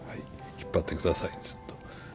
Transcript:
引っ張って下さいずっと。